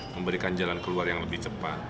memberikan jalan keluar yang lebih cepat